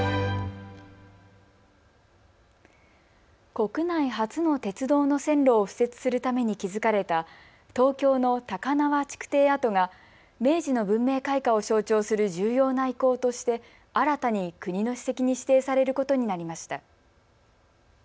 国内初の鉄道の線路を敷設するために築かれた東京の高輪築堤跡が明治の文明開化を象徴する重要な遺構として新たに国の史跡に指定されることになりました。